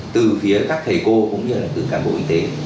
từ phía các thầy cô cũng như là từ cán bộ y tế